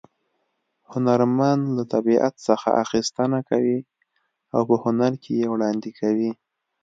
هنرمن له طبیعت څخه اخیستنه کوي او په هنر کې یې وړاندې کوي